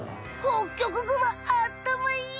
ホッキョクグマあったまいい！